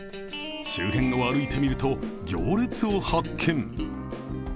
周辺を歩いてみると行列を発見。